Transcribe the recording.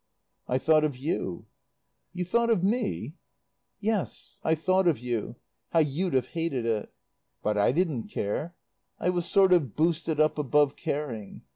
"I thought of you." "You thought of me?" "Yes. I thought of you how you'd have hated it. But I didn't care. I was sort of boosted up above caring.